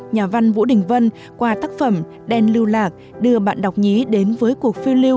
nhà văn vũ đình vân qua tác phẩm đen lưu lạc đưa bạn đọc nhí đến với cuộc phiêu lưu